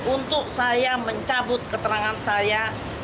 untuk saya mencabut keterangan saya